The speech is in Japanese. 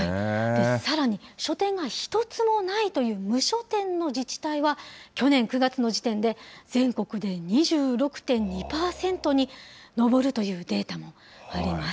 さらに、書店が１つもないという無書店の自治体は、去年９月の時点で、全国で２６．２％に上るというデータもあります。